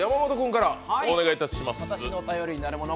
私の頼りになるもの